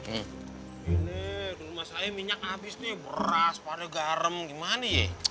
ini rumah saya minyak abis nih beras padahal garam gimana ya